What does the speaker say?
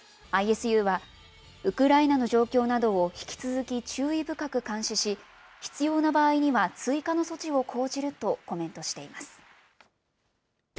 ＩＳＵは、ウクライナの状況などを引き続き注意深く監視し、必要な場合には追加の措置を講じるとコメントしています。